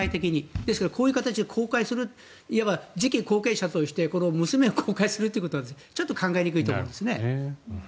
ですのでこういう形で公開するいわば次期後継者として娘を公開することはちょっと考えにくいと思うんですね。